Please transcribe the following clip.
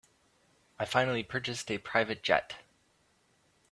I finally purchased a private jet.